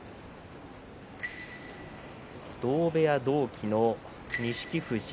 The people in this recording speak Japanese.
同部屋同期の錦富士。